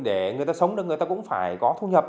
để người ta sống được người ta cũng phải có thu nhập